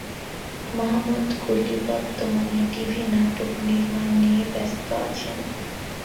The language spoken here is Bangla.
মাহমুদ কলি বর্তমানে টিভি নাটক নির্মাণ নিয়ে ব্যস্ত আছেন।